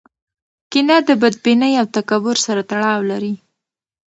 کینه د بدبینۍ او تکبر سره تړاو لري.